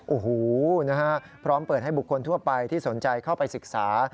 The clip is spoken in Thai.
โอ้โหนะฮะพร้อมเปิดให้บุคคลทั่วไปที่สนใจเข้าไปศึกษา